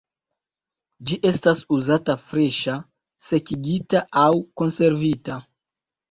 Ĝi estas uzata freŝa, sekigita aŭ konservita.